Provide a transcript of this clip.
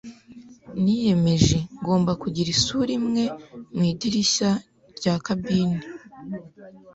niyemeje ngomba kugira isura imwe mu idirishya rya kabine.